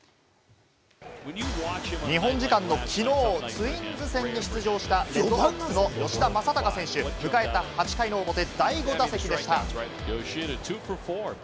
日本時間のきのう、ツインズ戦に出場したレッドソックスの吉田正尚選手、迎えた８回の表、第５打席でした。